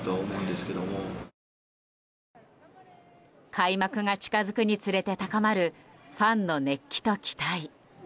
開幕が近づくにつれて高まるファンの熱気と期待。